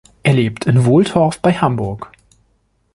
Er lebt in Wohltorf bei Hamburg.